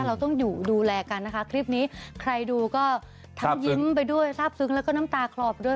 เราต้องอยู่ดูแลกันนะคะคลิปนี้ใครดูก็ทั้งยิ้มไปด้วยทราบซึ้งแล้วก็น้ำตาคลอบด้วย